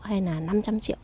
hay là năm trăm linh triệu